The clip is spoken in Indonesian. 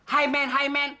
hai men hai men